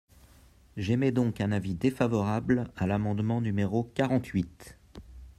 J’émets donc un avis défavorable à l’amendement numéro quarante-huit.